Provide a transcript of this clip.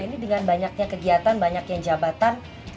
ini dengan banyaknya kegiatan banyaknya jabatan